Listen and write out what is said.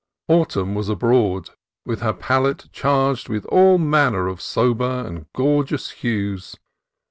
Autumn was abroad, with her palette charged with all manner of sober and gorgeous hues.